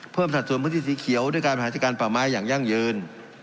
สัดส่วนพื้นที่สีเขียวด้วยการบริหารจัดการป่าไม้อย่างยั่งยืน